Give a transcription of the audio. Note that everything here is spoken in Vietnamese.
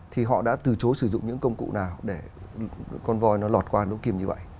thì họ đã từ chối sử dụng những công cụ nào để con voi nó lọt qua lỗ kim như vậy